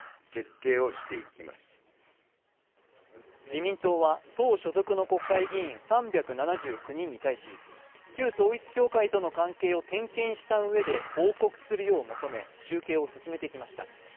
自民党は党所属の国会議員３７９人に対し、旧統一教会との関係を点検したうえで報告するよう求め、集計を進めてきました。